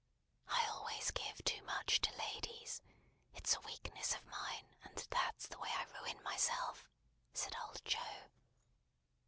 "I always give too much to ladies. It's a weakness of mine, and that's the way I ruin myself," said old Joe.